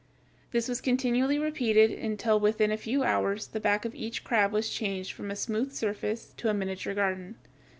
This was continually repeated until within a few hours the back of each crab was changed from a smooth surface to a miniature garden.